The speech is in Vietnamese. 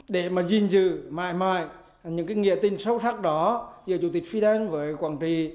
để mà gìn giữ mãi mãi những cái nghĩa tin sâu sắc đó giữa chủ tịch fidel với quảng trị